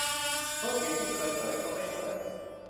รถเข็นที่เคยเปิดก็ไม่เปิด